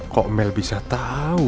kok mel bisa tau